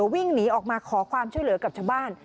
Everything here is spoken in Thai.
วิ่งหนีออกมาขอความช่วยเหลือกับชาวบ้าน